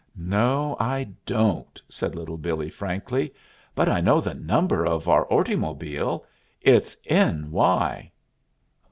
"No, I don't," said Little Billee frankly; "but I know the number of our ortymobile. It's 'N. Y.'"